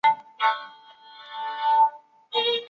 环境食物局唯一一任局长为任关佩英。